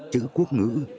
chữ quốc ngữ